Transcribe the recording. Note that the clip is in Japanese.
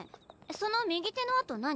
その右手のあと何？